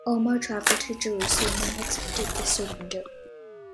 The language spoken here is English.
Omar travelled to Jerusalem and accepted the surrender.